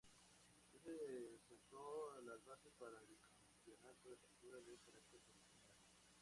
Este sentó las bases para el Campeonato de Apertura de carácter profesional.